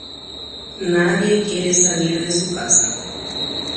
Avavete nosẽséi hógagui.